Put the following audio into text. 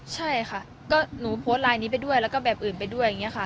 ใช่ค่ะก็หนูโพสต์ลายนี้ไปด้วยแล้วก็แบบอื่นไปด้วยอย่างนี้ค่ะ